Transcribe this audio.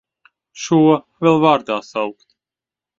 Šo vēl vārdā saukt!